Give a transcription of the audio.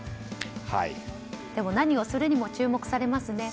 でも、何をするにも注目されますね。